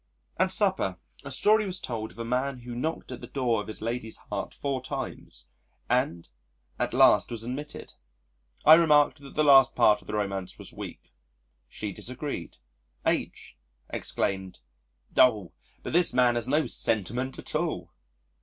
At supper, a story was told of a man who knocked at the door of his lady's heart four times and at last was admitted. I remarked that the last part of the romance was weak. She disagreed. H exclaimed, "Oh! but this man has no sentiment at all!"